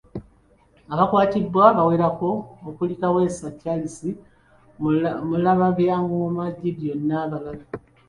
Abakwatiddwa bawerako okuli; Kaweesi Charles, Mulabyangoma Gideon n'abalala .